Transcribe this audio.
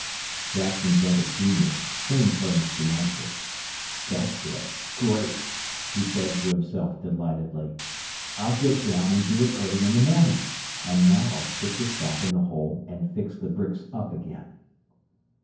Jack's inventive genius soon furnished the answer. "That's it! Great!" he said to himself delightedly. "I'll get down and do it early in the morning. And now I'll stick this back in the hole and fix the bricks up again."